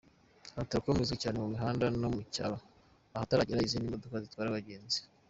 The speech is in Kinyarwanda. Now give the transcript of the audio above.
Onatracom izwi cyane mu mihanda yo mu cyaro, ahatarageraga izindi modoka zitwara abagenzi.